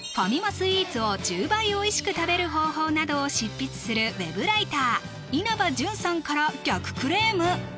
スイーツを「１０倍美味しく食べる方法」などを執筆するウェブライター稲葉じゅんさんから逆クレーム！